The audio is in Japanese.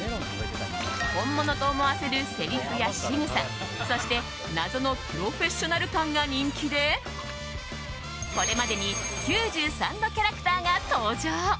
本物と思わせるせりふやしぐさそして、謎のプロフェッショナル感が人気でこれまでに９３のキャラクターが登場。